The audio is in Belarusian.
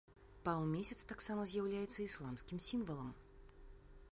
Паўмесяц таксама з'яўляецца ісламскім сімвалам.